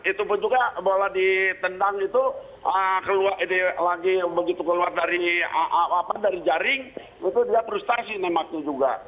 itu pun juga bola ditendang itu lagi begitu keluar dari jaring itu dia frustasi nembaknya juga